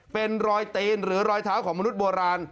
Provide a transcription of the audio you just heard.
เป็นรอยตีนหรือรอยเท้าของมนุษย์โบราณ